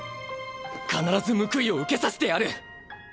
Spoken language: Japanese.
必ず報いを受けさせてやる。